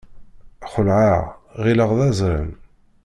Xelɛeɣ, ɣilleɣ d azrem.